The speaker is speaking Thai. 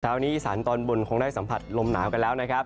อันนี้สารตอนบนคงได้สัมผัสลมหนาวกันแล้ว